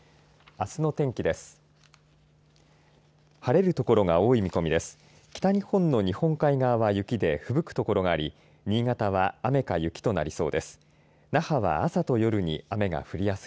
あすの天気です。